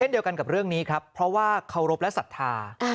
เดียวกันกับเรื่องนี้ครับเพราะว่าเคารพและศรัทธา